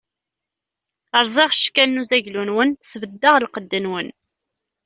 Rẓiɣ cckal n uzaglu-nwen, sbeddeɣ lqedd-nwen.